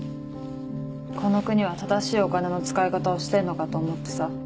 この国は正しいお金の使い方をしてんのかと思ってさ。